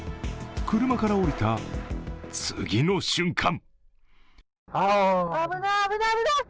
車から降りた次の瞬間